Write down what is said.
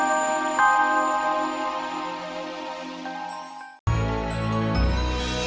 iduh bisa posisi ini dengan papi gue